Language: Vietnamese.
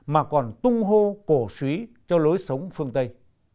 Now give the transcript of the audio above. mà còn tung hô cổ suý cho lối sống phương tây